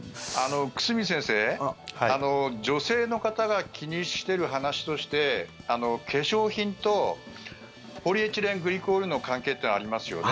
久住先生、女性の方が気にしてる話として化粧品とポリエチレングリコールの関係ってありますよね。